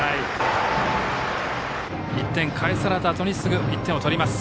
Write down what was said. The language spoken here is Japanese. １点を返されたあとにすぐ１点を取ります。